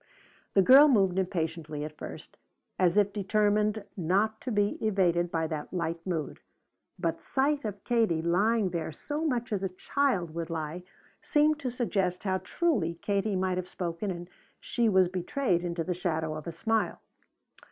The girl moved impatiently at first, as if determined not to be evaded by that light mood, but sight of Katie, lying there so much as a child would lie, seemed to suggest how truly Katie might have spoken and she was betrayed into the shadow of a smile.